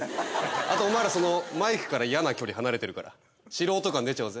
あとお前らそのマイクから嫌な距離離れてるから素人感出ちゃうぜ。